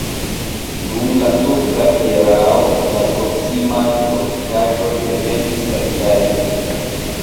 Dum la turka erao la proksimaj fortikaĵoj defendis la vilaĝon.